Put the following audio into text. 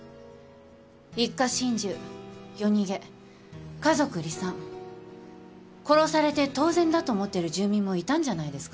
一家心中夜逃げ家族離散殺されて当然だと思ってる住民もいたんじゃないですか？